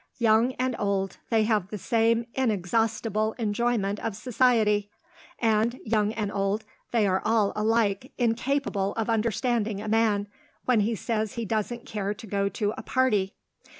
"Young and old, they have the same inexhaustible enjoyment of society; and, young and old, they are all alike incapable of understanding a man, when he says he doesn't care to go to a party.